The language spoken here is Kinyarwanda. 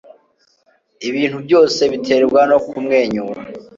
Ibintu byose biterwa no kumwenyura